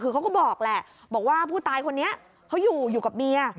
คือเขาก็บอกแหละบอกว่าผู้ตายคนนี้เขาอยู่อยู่กับเมีย